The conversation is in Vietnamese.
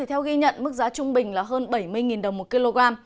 theo ghi nhận mức giá trung bình là hơn bảy mươi đồng một kg